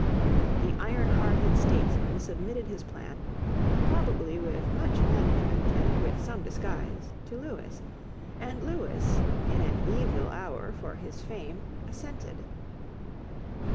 The ironhearted statesman submitted his plan, probably with much management and with some disguise, to Lewis; and Lewis, in an evil hour for his fame, assented.